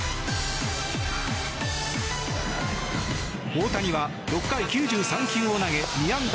大谷は６回９３球を投げ２安打